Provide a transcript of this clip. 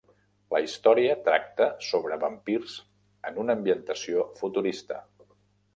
La història tracta sobre vampirs en una ambientació futurista.